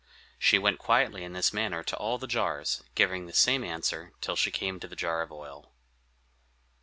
She went quietly in this manner to all the jars, giving the same answer, till she came to the jar of oil.